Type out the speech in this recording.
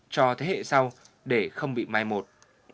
cho thế hệ sau để không bị mai một